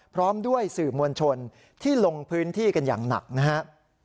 พร้อมด้วยสื่อมวลชนที่ลงพื้นที่กันอย่างหนักนะครับ